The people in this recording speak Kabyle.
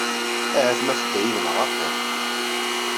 Ahat ma tedda yid-nneɣ axiṛ.